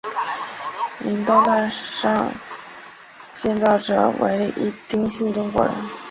林东大楼建造者为一丁姓中国人。